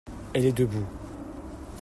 Elle est debout.